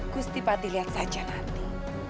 gusti pak dilihat saja nanti